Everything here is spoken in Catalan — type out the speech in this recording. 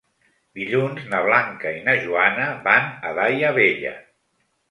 Dilluns na Blanca i na Joana van a Daia Vella.